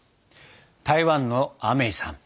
台湾のアメイさん